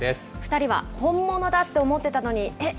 ２人は本物だと思ってたのに、えっ？